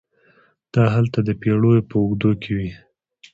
دا هلته د پېړیو په اوږدو کې وې.